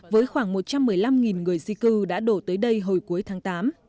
với khoảng một trăm một mươi năm người di cư đã đổ tới đây hồi cuối tháng tám